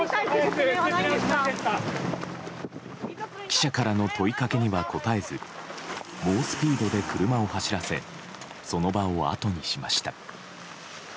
記者からの問いかけには答えず猛スピードで車を走らせその場をあとにしました。